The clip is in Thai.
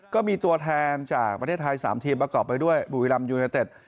ก็มีตัวแทนจากประเทศไทย๓ทีมประกอบไปด้วยบุรีรำยูเนเต็ด